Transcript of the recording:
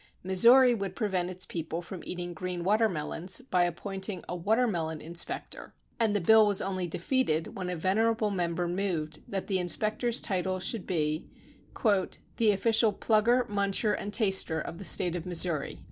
Missouri would prevent its people from eating green watermelons by appointing a watermelon inspector and the bill was only defeated when a venerable member moved that the inspector's title should be The Official Plugger, Muncher and Taster of the State of Missouri."